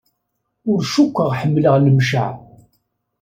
Ur cukkeɣ ḥemmleɣ Lemceɛ.